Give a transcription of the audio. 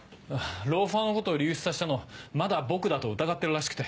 ローファーのことを流出させたのまだ僕だと疑ってるらしくて。